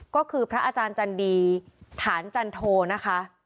ก็คือพระอาจารย์จันดีฐานจันโทนะคะ